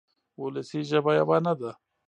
وولسي ژبه یوه نه ده.